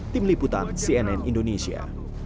tim liputan cnn indonesia